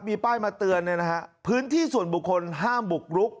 มีป้ายมาเตือนเนี่ยนะฮะพื้นที่ส่วนบุคคลห้ามบุกรุก